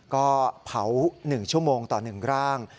ก็เผา๑ชั่วโมงต่อ๑ร่าง